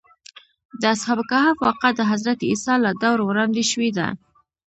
د اصحاب کهف واقعه د حضرت عیسی له دور وړاندې شوې ده.